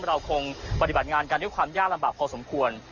เราคงปฏิบัติงานกันด้วยความยากลำบากพอสมควร